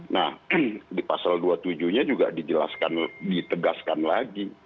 nah di pasal dua puluh tujuh nya juga ditegaskan lagi